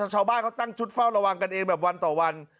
ชาวบ้านเขาตั้งชุดเฝ้าระวังกันเองแบบวันต่อวัน